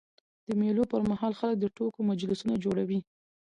د مېلو پر مهال خلک د ټوکو مجلسونه جوړوي.